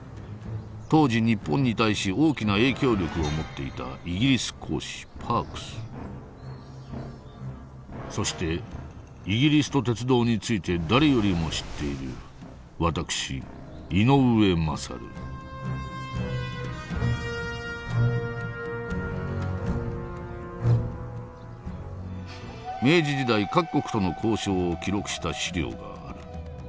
当時日本に対し大きな影響力を持っていたイギリス公使パークスそしてイギリスと鉄道について誰よりも知っている私井上勝明治時代各国との交渉を記録した資料がある。